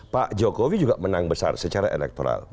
pak jokowi juga menang besar secara elektoral